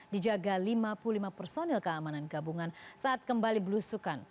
dijaga lima puluh lima personil keamanan gabungan saat kembali berusukan